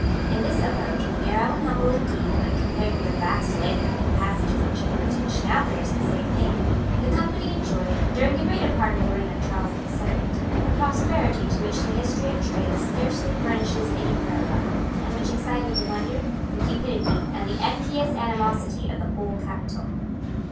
In this abode, narrow and humble indeed when compared with the vast labyrinth of passages and chambers which now bears the same name, the Company enjoyed, during the greater part of the reign of Charles the Second, a prosperity to which the history of trade scarcely furnishes any parallel, and which excited the wonder, the cupidity and the envious animosity of the whole capital.